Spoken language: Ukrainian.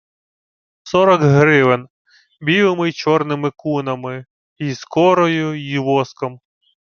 — Сорок гривен. Білими й чорними кунами. Й скорою, й воском.